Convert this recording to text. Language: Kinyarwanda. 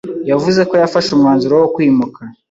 yavuze ko yafashe umwanzuro wo kwimuka